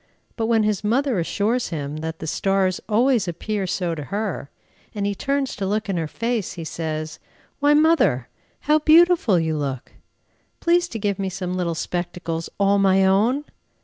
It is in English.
But when his mother assures him that the stars always appear so to her, and he turns to look in her face, he says, "Why, mother! how beautiful you look! Please to give me some little spectacles, _all my own!